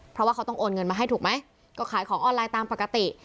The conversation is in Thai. เพราะว่าเขาต้องโอนเงินมาให้ถูกไหมก็ขายของออนไลน์ตามปกติ